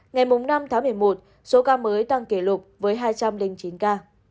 ngày năm tháng một mươi một số ca mới tăng kỷ lục với hai trăm linh chín ca